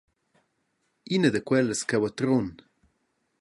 Ina da quellas cheu a Trun.